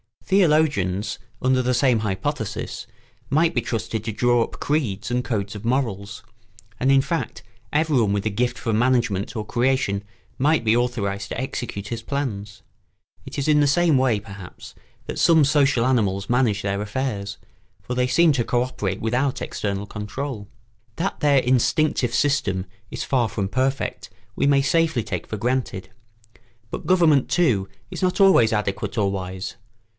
Theologians, under the same hypothesis, might be trusted to draw up creeds and codes of morals; and, in fact, everyone with a gift for management or creation might be authorised to execute his plans. It is in this way, perhaps, that some social animals manage their affairs, for they seem to co operate without external control. That their instinctive system is far from perfect we may safely take for granted; but government, too, is not always adequate or wise.